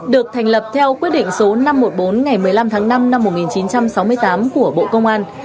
được thành lập theo quyết định số năm trăm một mươi bốn ngày một mươi năm tháng năm năm một nghìn chín trăm sáu mươi tám của bộ công an